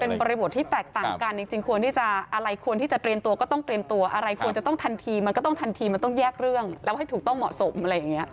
เป็นบริบทที่แตกต่างกันจริงควรที่จะอะไรควรที่จะเตรียมตัวก็ต้องเตรียมตัวอะไรควรจะต้องทันทีมันก็ต้องทันทีมันต้องแยกเรื่องแล้วให้ถูกต้องเหมาะสมอะไรอย่างนี้